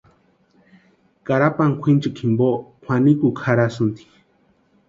Karapani kwʼinchikwa jimpo kwʼanikukwa jarhasïnti.